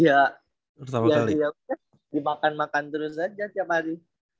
ya udah dimakan makan terus aja tiap hari